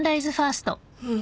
うん。